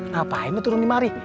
ngapain lo turun dimari